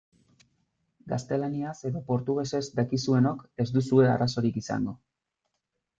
Gaztelaniaz edo portugesez dakizuenok ez duzue arazorik izango.